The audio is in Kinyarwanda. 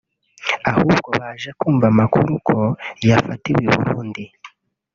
ahubwo baje kumva amakuru ko yafatiwe i Burundi